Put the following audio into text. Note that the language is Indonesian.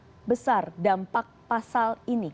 seberapa besar dampak pasal ini